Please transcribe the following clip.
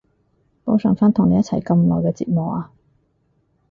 補償返同你一齊咁耐嘅折磨啊